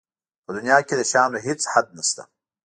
په دنیا کې د شیانو هېڅ حد نشته.